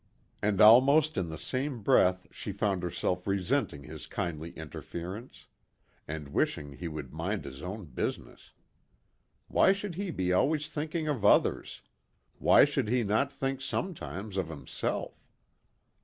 And almost in the same breath she found herself resenting his kindly interference, and wishing he would mind his own business. Why should he be always thinking of others? Why should he not think sometimes of himself?